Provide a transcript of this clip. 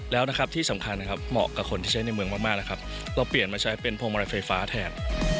และที่สำคัญเหมาะกับคนที่ใช้ในเมืองมากเราเปลี่ยนมาใช้เป็นพลมรายไฟฟ้าแทน